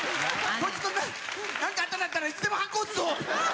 こいつとなんかあったんだったら、いつでもはんこ押すぞ！